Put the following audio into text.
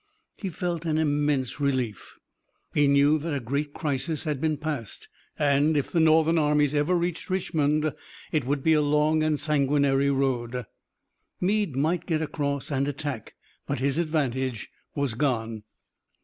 He felt an immense relief. He knew that a great crisis had been passed, and, if the Northern armies ever reached Richmond, it would be a long and sanguinary road. Meade might get across and attack, but his advantage was gone.